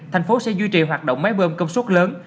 thành phố sẽ duy trì hoạt động máy bơm công suất lớn